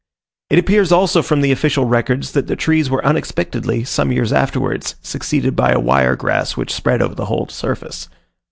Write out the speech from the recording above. It appears also from the official records, that the trees were unexpectedly, some years afterwards, succeeded by a wire grass which spread over the whole surface.